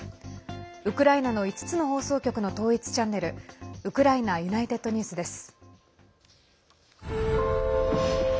ウクライナの５つの放送局の統一チャンネルウクライナＵｎｉｔｅｄＮｅｗｓです。